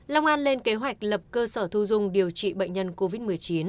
long an lên kế hoạch lập cơ sở thu dung điều trị bệnh nhân covid một mươi chín